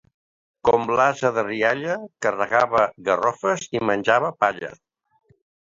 Com l'ase de Rialla, carregava garrofes i menjava palla.